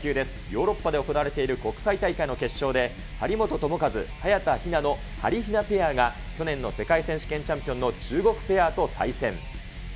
ヨーロッパで行われている国際大会の決勝で、張本智和・早田ひなのはりひなペアが去年の世界選手権チャンピオンの中国ペアと対戦。